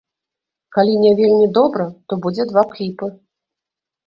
Калі не вельмі добра, то будзе два кліпы.